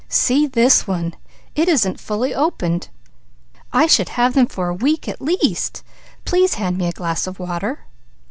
See this one! It isn't fully open. I should have them for a week at least. Please hand me a glass of water."